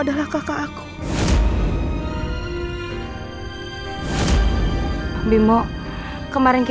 tidak isal fitnah ibu